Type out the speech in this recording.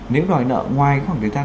nếu đòi nợ ngoài khoảng thời gian